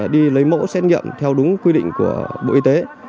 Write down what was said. đi lấy mẫu xét nghiệm theo đúng quy định của bộ y tế